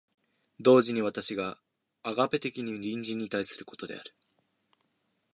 同時に私がアガペ的に隣人に対することである。